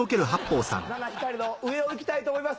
七光の上を行きたいと思います。